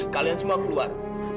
kalian semua keluar